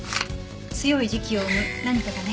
強い磁気を生む何かがね。